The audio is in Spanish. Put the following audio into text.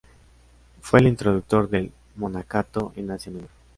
Fue el introductor del monacato en Asia Menor.